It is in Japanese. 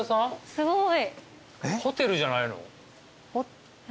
すごい。